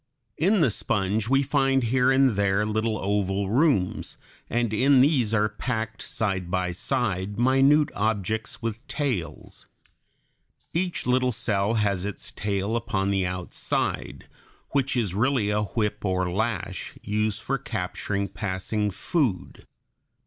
In the sponge we find here and there little oval rooms, and in these are packed, side by side, minute objects with tails (Fig. 16). Each little cell has its tail upon the outside, which is really a whip or lash, used for capturing passing food.